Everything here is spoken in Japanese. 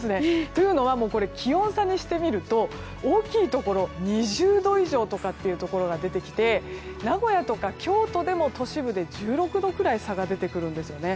というのは、気温差にしてみると大きいところは２０度以上のところも出てきて名古屋とか京都でも都市部で１６度くらい差が出てくるんですよね。